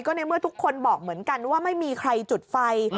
ในเมื่อทุกคนบอกเหมือนกันว่าไม่มีใครจุดไฟ